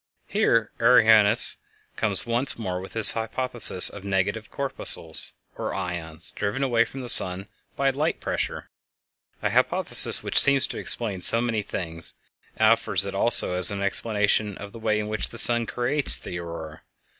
Here Arrhenius comes once more with his hypothesis of negative corpuscles, or ions, driven away from the sun by light pressure—a hypothesis which seems to explain so many things—and offers it also as an explanation of the way in which the sun creates the Aurora.